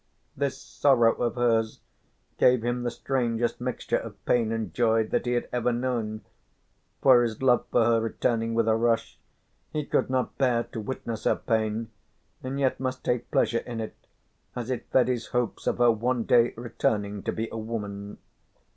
This sorrow of hers gave him the strangest mixture of pain and joy that he had ever known, for his love for her returning with a rush, he could not bear to witness her pain and yet must take pleasure in it as it fed his hopes of her one day returning to be a woman.